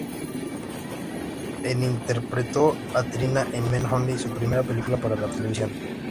En interpretó a Trina en "Men Only", su primera película para la televisión.